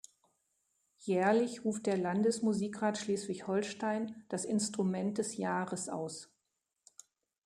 Jährlich ruft der Landesmusikrat Schleswig-Holstein das Instrument des Jahres aus.